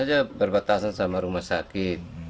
masa saja berbatasan sama rumah sakit